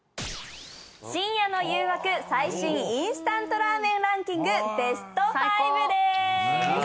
深夜の誘惑最新インスタントラーメンランキングＢＥＳＴ５です